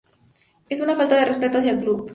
Es una falta de respeto hacia el club.